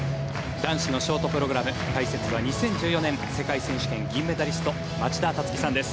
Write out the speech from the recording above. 男子のショートプログラム解説は２０１４年世界選手権銀メダリスト町田樹さんです。